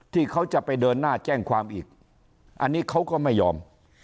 ที่เขาจะไปเดินหน้าแจ้งความอีกอันนี้เขาก็ไม่ยอม